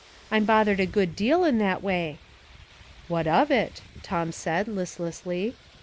I'm bothered a good deal in that way." " What of it ?"' Tom asked, listlessly.